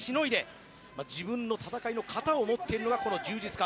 自分の戦いの型を持っているのが柔術家。